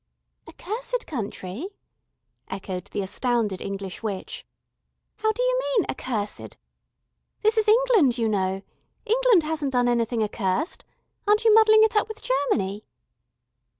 "Accursed country?" echoed the astounded English witch. "How d'you mean accursed? This is England, you know. England hasn't done anything accursed. Aren't you muddling it up with Germany?"